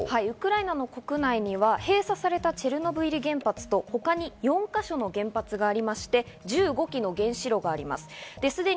ウクライナ国内には閉鎖されたチェルノブイリ原発と他に４か所の原発がありまして、１５基の原子炉があります。